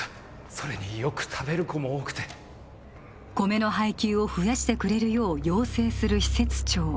それによく食べる子も多くて米の配給を増やしてくれるよう要請する施設長